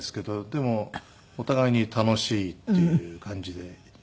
でもお互いに楽しいっていう感じで行くのが。